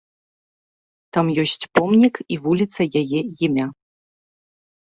Там ёсць помнік і вуліца яе імя.